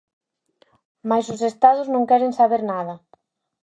Mais os Estados non queren saber nada.